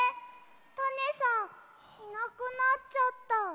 タネさんいなくなっちゃった。